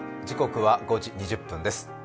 時刻は５時２０分です。